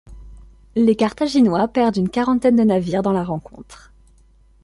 Les Carthaginois perdent une quarantaine de navires dans la rencontre.